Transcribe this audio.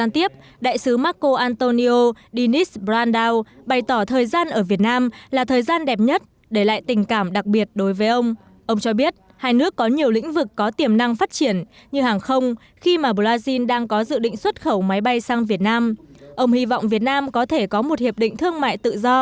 tiếp đại sứ brazil marco antonio zini branzau đến chào từ biệt nhân kết thúc nhiệm kỳ tại việt nam vào chiều nay